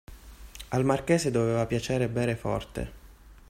Al marchese doveva piacere bere forte.